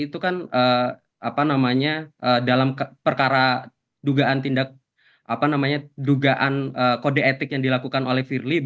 itu kan dalam perkara dugaan tindak dugaan kode etik yang dilakukan oleh firly